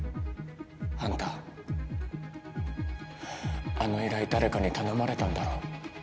あんたあの依頼誰かに頼まれたんだろ？